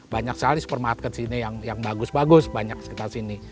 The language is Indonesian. banyak sekali supermarket sini yang bagus bagus banyak sekitar sini